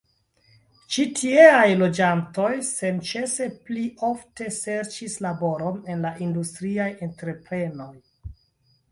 Ĉi tieaj loĝantoj senĉese pli ofte serĉis laboron en la industriaj entreprenoj.